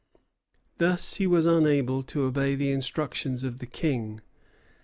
Thus he was unable to obey the instructions of the King.